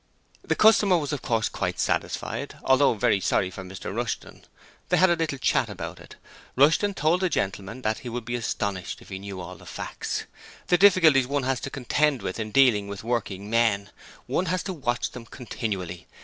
The customer was of course quite satisfied, although very sorry for Mr Rushton. They had a little chat about it. Rushton told the gentleman that he would be astonished if he knew all the facts: the difficulties one has to contend with in dealing with working men: one has to watch them continually!